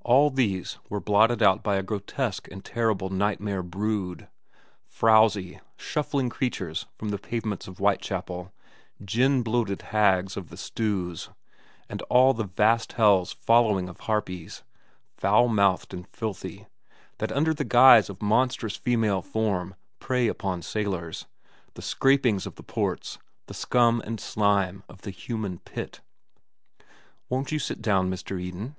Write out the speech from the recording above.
All these were blotted out by a grotesque and terrible nightmare brood—frowsy, shuffling creatures from the pavements of Whitechapel, gin bloated hags of the stews, and all the vast hell's following of harpies, vile mouthed and filthy, that under the guise of monstrous female form prey upon sailors, the scrapings of the ports, the scum and slime of the human pit. "Won't you sit down, Mr. Eden?"